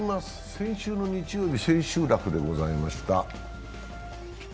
先週の日曜日、千秋楽でございました。